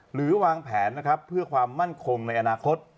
หรือวางแผนนะครับเพื่อความมั่นคงในอนาคต